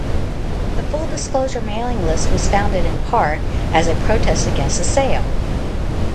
The Full-Disclosure mailing list was founded in part as a protest against the sale.